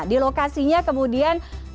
di lokasinya kemudian